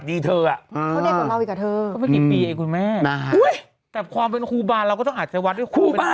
ดูแม่คุณแม่แต่ความเป็นครูบาเราก็ต้องหาศาสน์เวิร์นด้วยครูบา